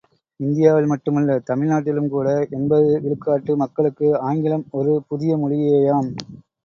இந்தியாவில் மட்டுமல்ல, தமிழ் நாட்டிலும் கூட எண்பது விழுக்காட்டு மக்களுக்கு ஆங்கிலம் ஒரு புதிய மொழியேயாம்.